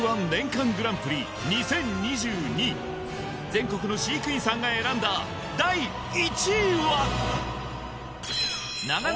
全国の飼育員さんが選んだ第１位は？